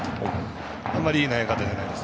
あまり、いい投げ方じゃないです